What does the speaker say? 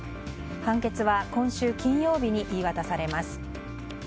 判決は今週金曜日に言い渡されます。